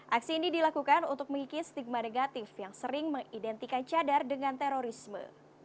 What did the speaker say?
aksi ini dilakukan untuk mengikis stigma negatif yang sering mengidentikan cadar dengan terorisme